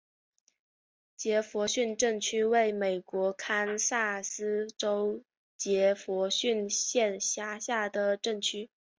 杰佛逊镇区为美国堪萨斯州杰佛逊县辖下的镇区。